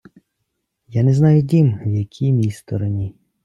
Я не знаю дім в якій мій стороні